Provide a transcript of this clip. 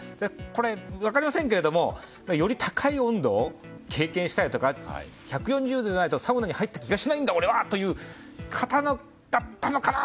これ、分かりませんけれどもより高い温度を経験したいとか１４０度じゃないとサウナに入った気がしないんだ俺は！という方だったのかな。